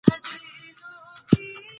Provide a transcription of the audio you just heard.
ښوونځی د راتلونکي بنسټ ږدي